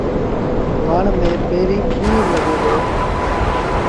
وڻ ميݩ پيريݩ ٻور لڳي دو۔